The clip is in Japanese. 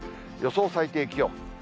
予想最低気温。